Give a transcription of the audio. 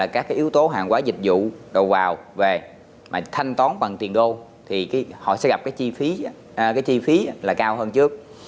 các yếu tố hàng quá dịch vụ đầu vào về mà thanh toán bằng tiền đô thì họ sẽ gặp chi phí cao hơn trước